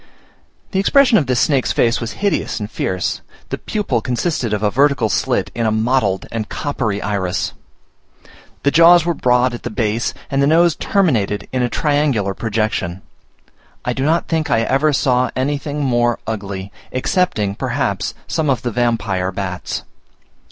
The expression of this snake's face was hideous and fierce; the pupil consisted of a vertical slit in a mottled and coppery iris; the jaws were broad at the base, and the nose terminated in a triangular projection. I do not think I ever saw anything more ugly, excepting, perhaps, some of the vampire bats.